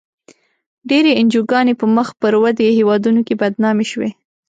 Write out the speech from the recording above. ډېری انجوګانې په مخ پر ودې هېوادونو کې بدنامې شوې.